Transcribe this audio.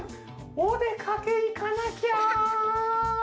おでかけいかなきゃ！」。